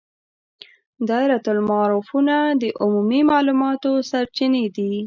دایرة المعارفونه د عمومي معلوماتو سرچینې دي.